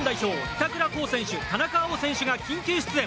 板倉滉選手田中碧選手が緊急出演！